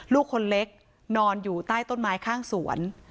ลูกคนเล็กนอนอยู่ใต้ต้นไม้ข้างสวน